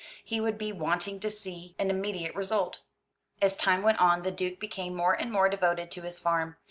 He would be wanting to see an immediate result." As time went on the Duke became more and more devoted to his farm.